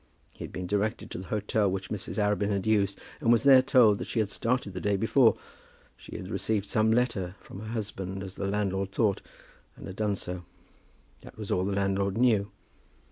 He had been directed to the hotel which Mrs. Arabin had used, and was there told that she had started the day before. She had received some letter, from her husband as the landlord thought, and had done so. That was all the landlord knew.